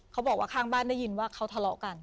เขาบอกว่าข้างบ้านได้ยินว่าเขาทะเลาะกัน